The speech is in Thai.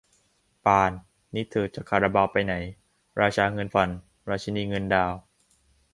ปาน นี่เธอจะคาราบาวไปไหน ราชาเงินผ่อน ราชินีเงินดาวน์